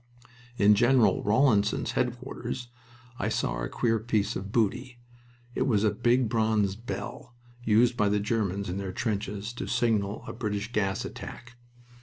In General Rawlinson's headquarters I saw a queer piece of booty. It was a big bronze bell used by the Germans in their trenches to signal a British gas attack.